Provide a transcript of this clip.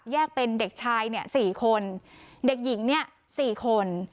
แยกเป็นเด็กชาย๔คนเด็กหญิง๔คน